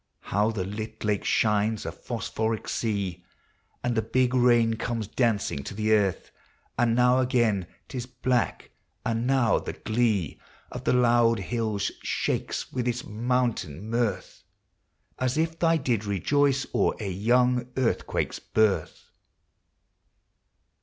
How the lit lake shines, a phosphoric sea, And the big rain comes dancing to the earth ! And now again 't is black, — and now, the glee Of the loud hills shakes with its mountain mirth, As if they did rejoice o'er a young earthquake's birth.